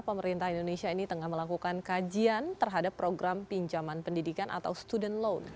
pemerintah indonesia ini tengah melakukan kajian terhadap program pinjaman pendidikan atau student loan